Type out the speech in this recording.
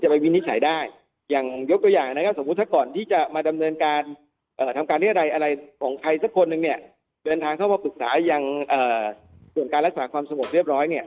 เพราะฉะนั้นเนี่ยเดินทางเข้ามาปรึกษายังส่วนการรักษาความสมบูรณ์เรียบร้อยเนี่ย